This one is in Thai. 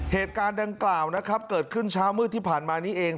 เหตุการณ์ดังกล่าวนะครับเกิดขึ้นเช้ามืดที่ผ่านมานี้เอง